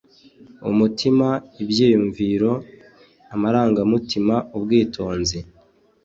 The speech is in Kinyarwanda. Umutima: Ibyiyumviro, amarangamutima, ubwitonzi.